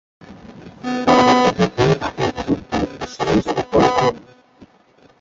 পরবর্তীতে তিনি তাঁকে উপযুক্ত উত্তরসূরি হিসাবে গড়ে তোলেন।